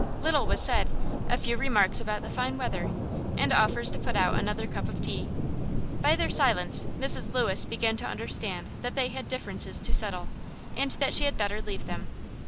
Little was said a few remarks about the fine weather, and offers to put out another cup of tea. By their silence Mrs. Lewis began to understand that they had differences to settle, and that she had better leave them.